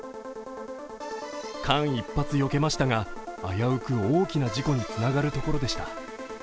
間一髪、よけましたが、危うく大きな事故につながるところでした。